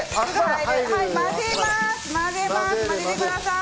はい。